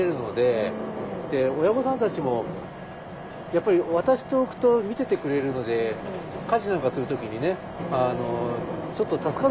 親御さんたちもやっぱり渡しておくと見ててくれるので家事なんかする時にねちょっと助かる時もあるんですよ。